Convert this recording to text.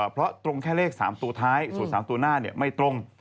เพราะตรงแค่เลข๓ตัวท้ายส่วน๓ตัวหน้าไม่ตรง